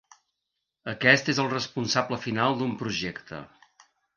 Aquest és el responsable final d'un projecte.